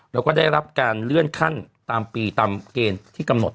แล้วก็ได้รับการเลื่อนขั้นตามปีตามเกณฑ์ที่กำหนด